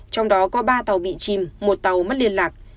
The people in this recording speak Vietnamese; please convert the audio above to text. trong đó có ba tàu bị chìm một tàu mất liên lạc